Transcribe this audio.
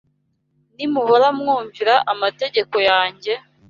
Nimuhora mwumvira amategeko yanjye,